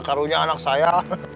karunya anak saya